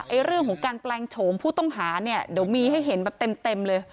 เรื่องของการแปลงโฉมผู้ต้องหาเนี่ยเดี๋ยวมีให้เห็นแบบเต็มเลย